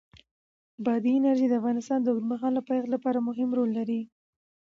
بادي انرژي د افغانستان د اوږدمهاله پایښت لپاره مهم رول لري.